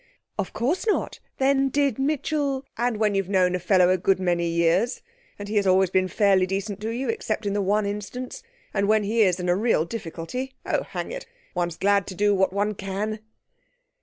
'Of course not. Then did Mitchell ' 'And when you have known a fellow a good many years, and he has always been fairly decent to you except in the one instance and when he is in a real difficulty Oh, hang it! One is glad to do what one can.'